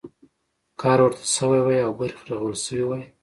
کار ورته شوی وای او برخې رغول شوي وای.